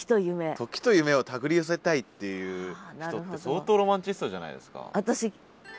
時と夢を手繰り寄せたいっていう人って相当ロマンチストじゃないですか。